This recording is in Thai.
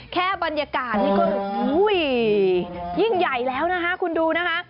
แค่บรรยากาศสิโอ้ยยยยยยยิ่งใหญ่แล้วคุณดูนะฮะ